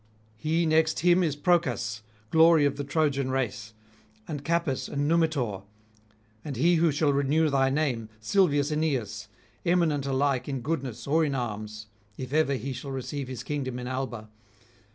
He next him is Procas, glory of the Trojan race; and Capys and Numitor; and he who shall renew thy name, Silvius Aeneas, eminent alike in goodness or in arms, if ever he shall receive his kingdom in Alba.